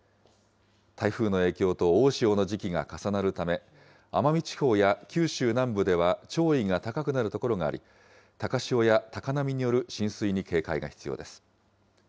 台風の影響と大潮の時期が重なるため、奄美地方や九州南部では潮位が高くなる所があり、高潮や高波による浸水に警戒が必要です。